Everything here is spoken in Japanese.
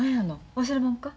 忘れもんか？